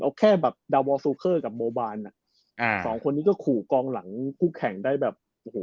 เอาแค่แบบดาวอลซูเคอร์กับโมบานอ่ะอ่าสองคนนี้ก็ขู่กองหลังคู่แข่งได้แบบโอ้โห